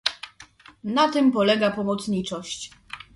Na tym polega pomocniczość